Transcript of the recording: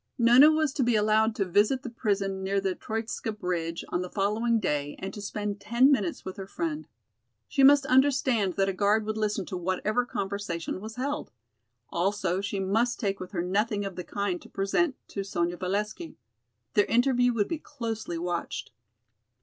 Nona was to be allowed to visit the prison near the Troitska bridge on the following day and to spend ten minutes with her friend. She must understand that a guard would listen to whatever conversation was held. Also she must take with her nothing of any kind to present to Sonya Valesky. Their interview would be closely watched.